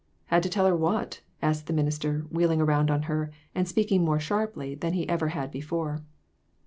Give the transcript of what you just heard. " Had to tell her what ?" asked the minister, wheeling around on her, and speaking more sharply than he ever had before.